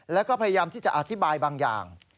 แล้วก็พยายามที่จะอธิบายบางอย่าง